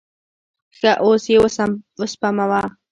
ښه، اوس یی وسپموه